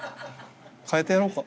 換えてやろうか？